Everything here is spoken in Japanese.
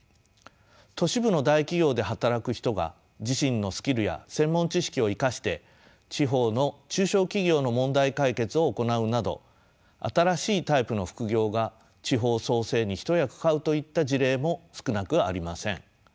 都市部の大企業で働く人が自身のスキルや専門知識を生かして地方の中小企業の問題解決を行うなど新しいタイプの副業が地方創生に一役買うといった事例も少なくありません。